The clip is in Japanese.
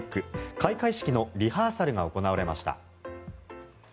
開会式のリハーサルが行われました。